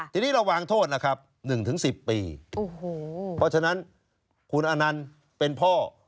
ทีนี้เราวางโทษล่ะครับ๑๑๐ปีโอ้โหเพราะฉะนั้นคุณอนันต์เป็นพ่อ